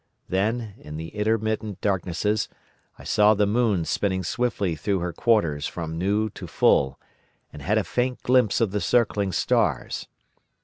Then, in the intermittent darknesses, I saw the moon spinning swiftly through her quarters from new to full, and had a faint glimpse of the circling stars.